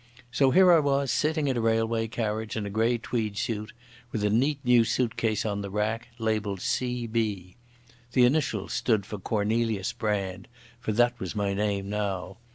So here I was sitting in a railway carriage in a grey tweed suit, with a neat new suitcase on the rack labelled C.B. The initials stood for Cornelius Brand, for that was my name now.